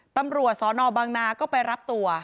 ตำรวจสนบางนาก็ไปรับตัว